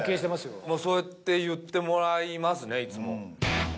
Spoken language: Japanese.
そうやって言ってもらいますねいつも。